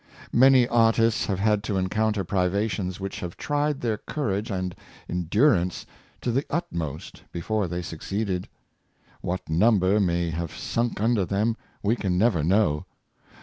Many artists have had to encounter privations which have tried their courage and endurance to the utmost before they succeeded. What number may have sunk under them we can never know.